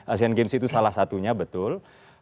asean games itu salah satunya betul